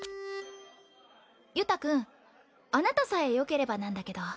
由太君あなたさえよければなんだけど。